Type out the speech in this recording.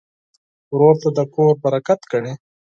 ورور ته د کور برکت ګڼې.